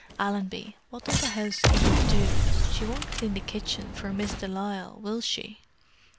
Allenby, what does a housekeeper do? She won't clean the kitchen for Miss de Lisle, will she?"